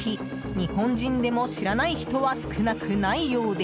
日本人でも知らない人は少なくないようで。